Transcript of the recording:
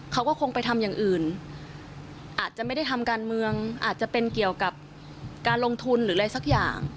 เขาก็คงไปทำอย่างอื่นอาจจะไม่ได้ทำการเมืองอาจจะเป็นเกี่ยวกับการลงทุนหรืออะไรสักอย่าง